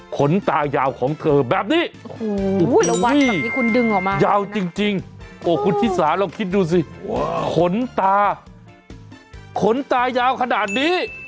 ขนตายาวของเธอแบบนี้โอ้โหยาวจริงโอ้คุณภิษาลองคิดดูสิขนตาขนตายาวขนาดนี้